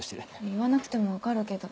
言わなくても分かるけど。